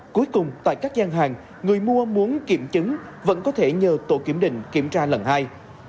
cuối cùng tại các gian hàng người mua muốn kiểm chứng vẫn có thể nhờ tổ kiểm định kiểm tra lần hai